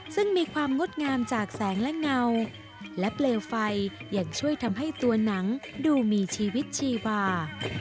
ซึ่งมีความงดงามจากแสงและเงาและเปลวไฟยังช่วยทำให้ตัวหนังดูมีชีวิตชีวา